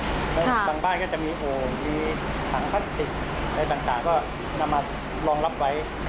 อะไรต่างก็นำมารองรับไว้